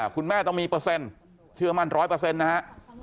คุณแม่ต้องมีเปอร์เซ็นต์เชื่อมั่นร้อยเปอร์เซ็นต์นะฮะ